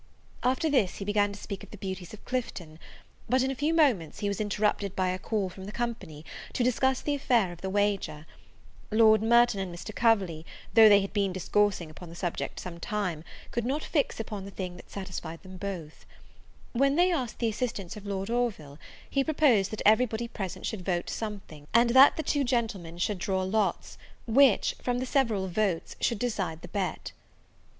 After this he began to speak of the beauties of Clifton; but, in a few moments, he was interrupted by a call from the company, to discuss the affair of the wager. Lord Merton and Mr. Coverley, though they had been discoursing upon the subject some time, could not fix upon the thing that satisfied them both. When they asked the assistance of Lord Orville, he proposed that every body present should vote something; and that the two gentlemen should draw lots which, from the several votes, should decide the bet.